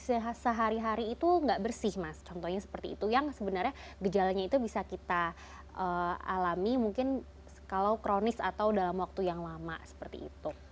jadi apa yang kita konsumsi sehari hari itu tidak bersih mas contohnya seperti itu yang sebenarnya gejalanya itu bisa kita alami mungkin kalau kronis atau dalam waktu yang lama seperti itu